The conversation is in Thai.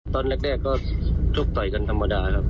ตอนแรกก็ชกต่อยกันธรรมดาครับ